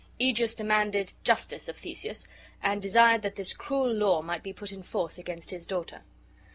Egeus demanded justice of Theseus, and desired that this cruel law might be put in force against his daughter.